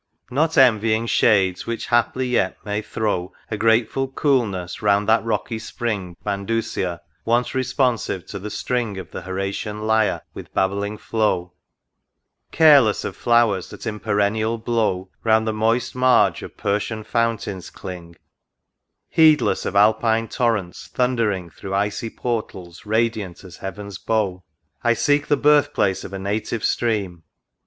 Not envying shades which haply yet may throw A grateful coolness round that rocky spring, Bandusia, once responsive to the string Of the Horatian lyre with babbling flow ; Careless of flowers that in perennial blow Round the moist marge of Persian fountains cling ; Heedless of Alpine torrents thundering Through icy portals radiant as heaven's bow ; I seek the birth place of a native Stream.